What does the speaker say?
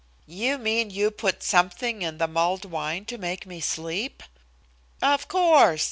"You mean you put something in the mulled wine to make me sleep?" "Of course.